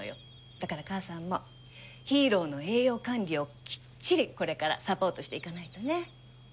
だから母さんもヒーローの栄養管理をきっちりこれからサポートしていかないとね。